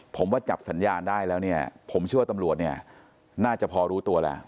ผมว่าจับสัญญาณได้แล้วเนี่ยผมเชื่อว่าตำรวจเนี่ยน่าจะพอรู้ตัวแล้ว